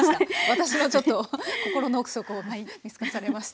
私のちょっと心の奥底を見透かされました。